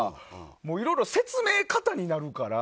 いろいろ説明過多になるから。